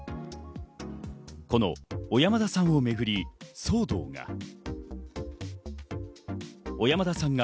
この小山田さんをめぐり騒動が。